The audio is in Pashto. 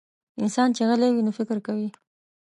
انسان چې غلی وي، نو فکر کوي.